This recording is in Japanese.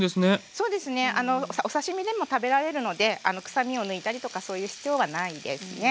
お刺身でも食べられるので臭みを抜いたりとかそういう必要はないんですね。